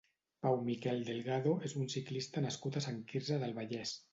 Pau Miquel Delgado és un ciclista nascut a Sant Quirze del Vallès.